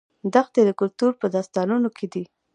دښتې د کلتور په داستانونو کې دي.